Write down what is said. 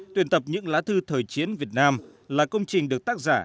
tuyển tập những lá thư thời chiến việt nam là công trình được tác giả